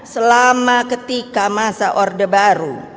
selama ketika masa orde baru